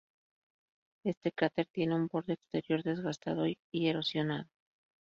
Este cráter tiene un borde exterior desgastado y erosionado.